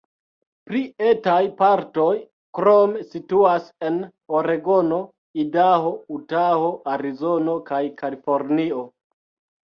Pli etaj partoj krome situas en Oregono, Idaho, Utaho, Arizono kaj Kalifornio.